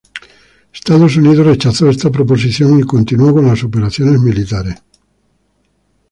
Estados Unidos rechazó esta proposición y continuó con las operaciones militares.